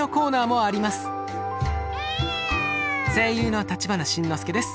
声優の立花慎之介です。